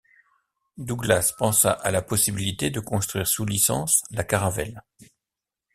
Douglas pensa à la possibilité de construire sous licence la Caravelle.